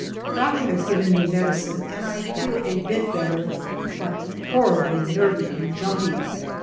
Doctor has given me medicine, and I feel a bit better, but horribly nervy and jumpy.